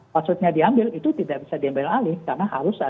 passwordnya diambil itu tidak bisa diambil alih